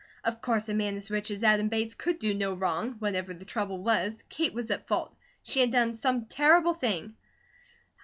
Of course a man as rich as Adam Bates could do no wrong; whatever the trouble was, Kate was at fault, she had done some terrible thing.